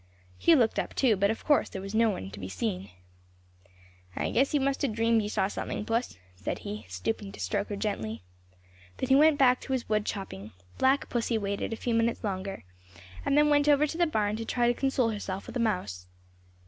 He looked up, too, but of course there was no one to be seen. "I guess you must have dreamed you saw something, Puss," said he, stooping to stroke her gently. Then he went back to his wood chopping. Black Pussy waited a few minutes longer and then went over to the barn to try to console herself with a mouse.